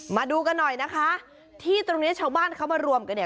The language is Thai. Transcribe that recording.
มาดูกันหน่อยนะคะที่ตรงเนี้ยชาวบ้านเขามารวมกันเนี่ย